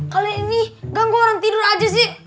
kalau ini ganggu orang tidur aja sih